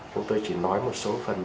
chúng tôi chỉ nói một số phần